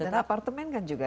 dan apartemen kan juga